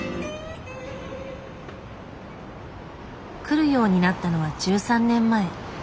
来るようになったのは１３年前。